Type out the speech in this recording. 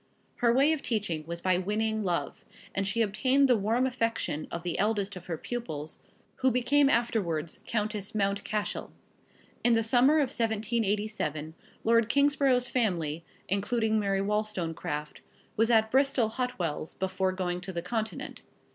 Her way of teaching was by winning love, and she obtained the warm affection of the eldest of her pupils, who became afterwards Countess Mount Cashel. In the summer of 1787, Lord Kingsborough's family, including Mary Wollstonecraft, was at Bristol Hot wells, before going to the Continent.